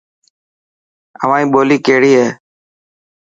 اوهائي ٻولي ڪهڙي هي.